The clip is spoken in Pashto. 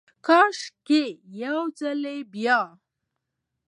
کاشکي ، یو ځلې بیا،